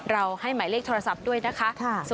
ให้หมายเลขโทรศัพท์ด้วยนะคะ